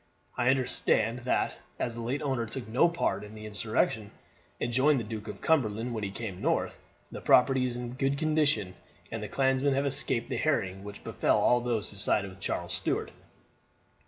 I understand that as the late owner took no part in the insurrection, and joined the Duke of Cumberland when he came north, the property is in good condition and the clansmen have escaped the harrying which befell all those who sided with Charles Stuart."